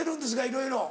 いろいろ。